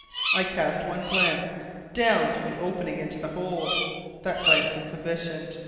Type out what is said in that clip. I cast one glance down through the opening into the hold. That glance was sufficient.